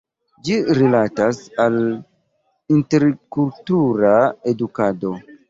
Ĝi rilatas al interkultura edukado.